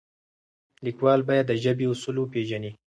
لیکوال باید د ژبې اصول وپیژني.